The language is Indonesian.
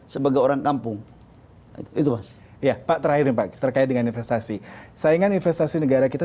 sebagai orang tampung itu ya pak terakhir terkait dengan investasi saingan investasi negara kita